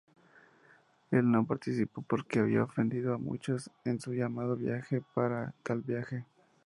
Él no participó porque había ofendido a muchos en su llamado para tal viaje.